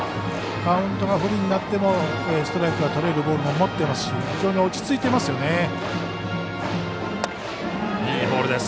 カウントが不利になってもストライクがとれるボールも持っていますし非常に落ち着いていますよね。